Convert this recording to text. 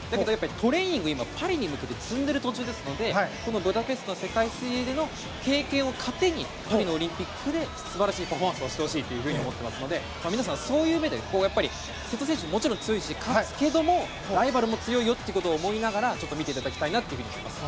トレーニングは、パリに向けて積んでいる途中ですのでブダペスト、世界水泳での経験を糧に次のパリオリンピックで素晴らしいパフォーマンスをしてほしですので皆さん、そういう目で瀬戸選手は強いし勝つけどもライバルも強いと思いながら見ていただきたいと思います。